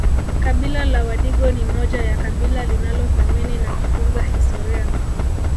Kabila la wadigo ni moja ya kabila linalothamini na kutunza historia